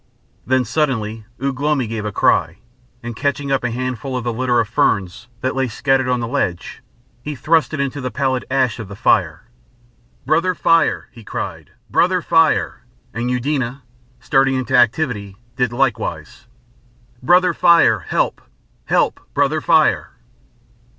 Then suddenly Ugh lomi gave a cry, and catching up a handful of the litter of ferns that lay scattered on the ledge, he thrust it into the pallid ash of the fire. "Brother Fire!" he cried, "Brother Fire!" And Eudena, starting into activity, did likewise. "Brother Fire! Help, help! Brother Fire!"